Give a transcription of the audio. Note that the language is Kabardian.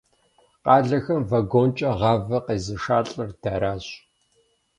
Къалэхэм вагонкӏэ гъавэ къезышалӏэр дэращ.